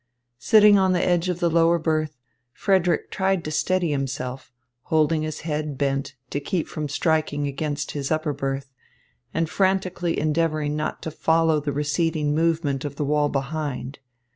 Sitting on the edge of the lower berth, Frederick tried to steady himself, holding his head bent to keep from striking against his upper berth, and frantically endeavouring not to follow the receding movement of the wall behind.